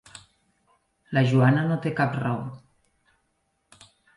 La Joana no té cap raó.